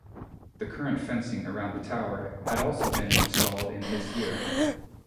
The current fencing around the tower had also been installed in this year.